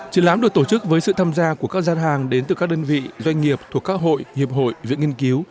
triển lãm được tổ chức với sự tham gia của các gian hàng đến từ các đơn vị doanh nghiệp thuộc các hội hiệp hội viện nghiên cứu